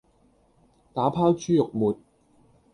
打拋豬肉末